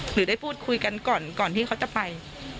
หรือได้พูดคุยกันก่อนก่อนที่เขาจะไป